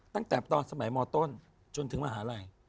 ตั้งแต่ตอนสมัยมต้นจนถึงมหาลัย